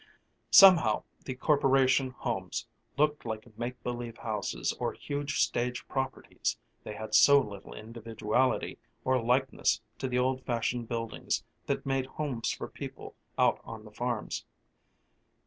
Somehow the Corporation homes looked like make believe houses or huge stage properties, they had so little individuality or likeness to the old fashioned buildings that made homes for people out on the farms.